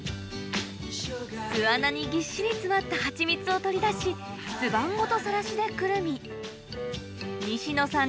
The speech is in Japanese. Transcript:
巣穴にぎっしり詰まったハチミツを取り出し巣板ごとさらしでくるみ西野さん